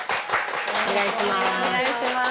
お願いします。